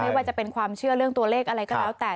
ว่าจะเป็นความเชื่อเรื่องตัวเลขอะไรก็แล้วแต่